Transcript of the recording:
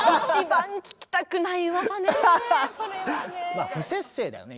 まあ不摂生だよね